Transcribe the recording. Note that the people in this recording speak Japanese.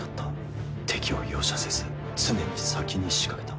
敵を容赦せず常に先に仕掛けた。